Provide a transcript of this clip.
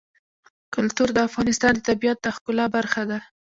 کلتور د افغانستان د طبیعت د ښکلا برخه ده.